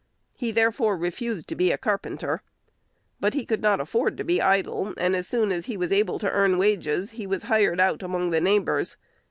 He therefore refused to be a carpenter. But he could not afford to be idle; and, as soon as he was able to earn wages, he was hired out among the neighbors.